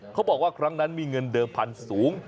เขาบอกว่าครั้งนั้นมีเงินเดิมพันธุ์สูง